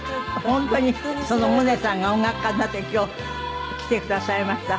本当にその百音さんが音楽家になって今日来てくださいました。